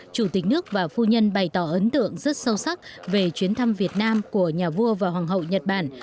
chủ tịch nước và phu nhân bày tỏ ấn tượng rất sâu sắc về chuyến thăm việt nam của nhà vua và hoàng hậu nhật bản